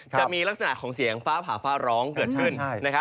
จะมีลักษณะของเสียงฟ้าผ่าฟ้าร้องเกิดขึ้น